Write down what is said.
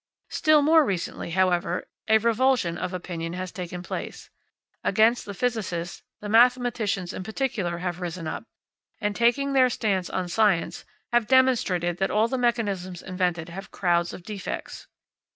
Still more recently, however, a revulsion of opinion has taken place. Against the physicists, the mathematicians in particular have risen up, and taking their stand on science, have demonstrated that all the mechanisms invented have crowds of defects.